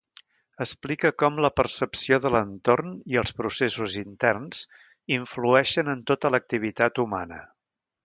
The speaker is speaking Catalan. Explica com la percepció de l'entorn i els processos interns influeixen en tota l'activitat humana.